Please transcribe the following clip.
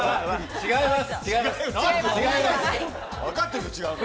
違います！